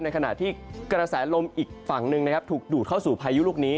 ขณะที่กระแสลมอีกฝั่งหนึ่งนะครับถูกดูดเข้าสู่พายุลูกนี้